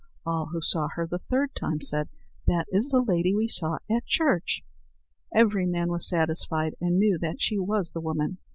All who saw her the third time said: "That is the lady we saw at church." Every man was satisfied and knew that she was the woman.